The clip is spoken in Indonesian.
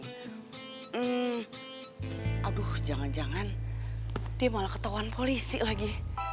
hmm aduh jangan jangan dia malah ketahuan polisi lagi